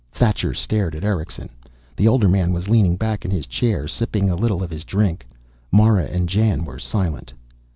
Thacher stared at Erickson. The older man was leaning back in his chair, sipping a little of his drink. Mara and Jan were silent.